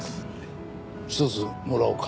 一つもらおうか。